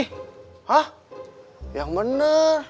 hah yang bener